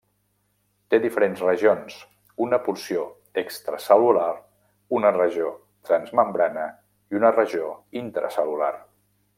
Té diferents regions: una porció extracel·lular, una regió transmembrana i una regió intracel·lular.